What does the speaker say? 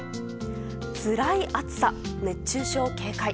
つらい暑さ、熱中症警戒。